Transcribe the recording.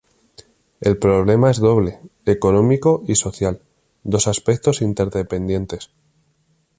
El problema es doble: económico y social, dos aspectos interdependientes.